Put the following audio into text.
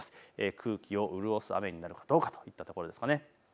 空気を潤す雨になるかどうかといったところです。